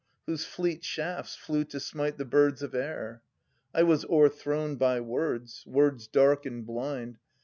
Whose fleet shafts flew to smite the birds of air? , I was o'erthrown by words, words dark and blind.